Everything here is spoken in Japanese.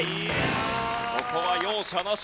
ここは容赦なし。